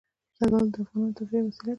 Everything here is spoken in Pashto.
زردالو د افغانانو د تفریح یوه وسیله ده.